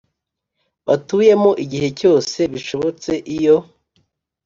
batuyemo Igihe cyose bishobotse iyo